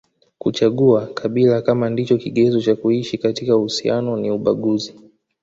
Kuchagua kabila kama ndicho kigezo cha kuishi katika uhusiano ni ubaguzi